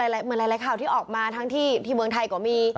หลายข่าวที่ออกมาทั้งที่เมืองไทยก็มี